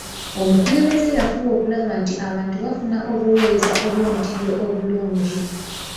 Omukulembeze yafuba okulaba nti abantu bafuna obuweereza obw'omutindo obulungi.